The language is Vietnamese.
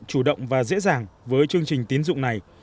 chủ động và dễ dàng với chương trình tín dụng này